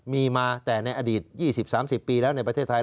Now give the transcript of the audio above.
มีมาแต่ในอดีต๒๐๓๐ปีแล้วในประเทศไทย